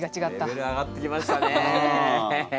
レベル上がってきましたね。